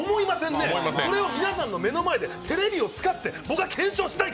だったｒこれを皆さんの目の前でテレビを使って僕は検証したい！